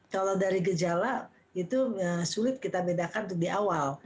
kalau dari gejala itu sulit kita bedakan untuk di awal